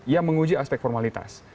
yang menguji aspek formalitas